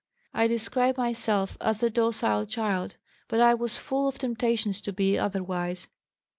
I describe myself as a docile child, but I was full of temptations to be otherwise.